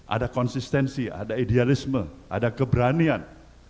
ada konsistensi ada idealisme ada keberanian